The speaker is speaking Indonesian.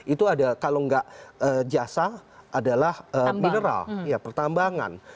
itu ada kalau tidak jasa adalah mineral pertambangan